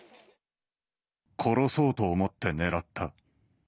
殺そうと思って狙った。